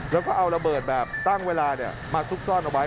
แล้วก็เอาระเบิดแบบตั้งเวลามาซุกซ่อนเอาไว้